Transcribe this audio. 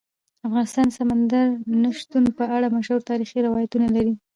افغانستان د سمندر نه شتون په اړه مشهور تاریخی روایتونه لري.